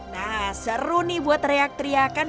nah seru nih buat teriak teriakan